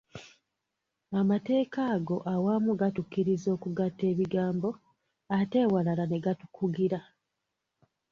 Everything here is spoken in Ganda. Amateeka ago awamu gatukkiriza okugatta ebigambo, ate ewalala ne gatukugira.